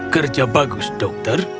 kerja bagus dokter